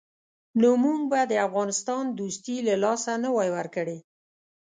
نو موږ به د افغانستان دوستي له لاسه نه وای ورکړې.